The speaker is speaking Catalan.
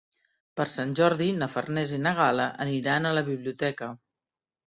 Per Sant Jordi na Farners i na Gal·la aniran a la biblioteca.